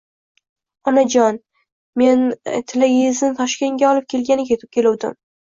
— Onajon, men Tilagiyizni Toshkentga olib ketgani keluvdim.